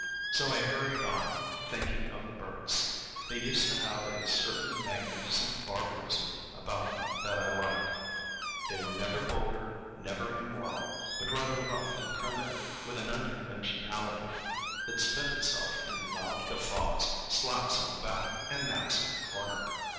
So I hurried on, thinking of the Burkes. They used to have a certain magnificent barbarism about them that I liked. They were never vulgar, never immoral, but rather rough and primitive, with an unconventionality that spent itself in loud guffaws, slaps on the back, and naps in the corner.